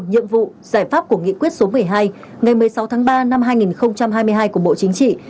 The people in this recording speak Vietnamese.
nhiệm vụ giải pháp của nghị quyết số một mươi hai ngày một mươi sáu tháng ba năm hai nghìn hai mươi hai của bộ chính trị